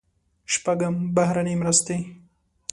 شپږم: بهرنۍ مرستې.